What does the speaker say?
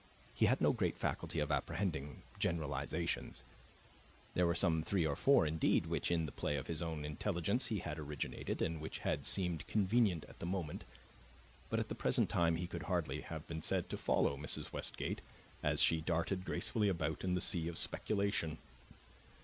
He had no great faculty for apprehending generalizations. There were some three or four indeed which, in the play of his own intelligence, he had originated, and which had seemed convenient at the moment; but at the present time he could hardly have been said to follow Mrs. Westgate as she darted gracefully about in the sea of speculation.